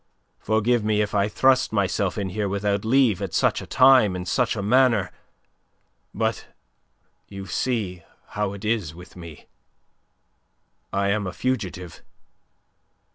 Forgive me if I thrust myself in here without leave, at such a time, in such a manner. But... you see how it is with me. I am a fugitive.